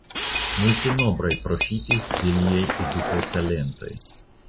Multenombraj profitis de liaj edukaj talentoj.